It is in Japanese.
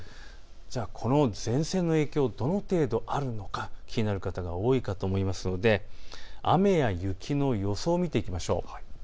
この前線の影響、気になる方、多いと思いますので雨や雪の予想を見ていきましょう。